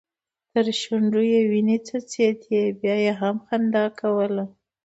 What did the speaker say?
تر شونډو يې وينې څڅيدې بيا يې هم خندا کوله.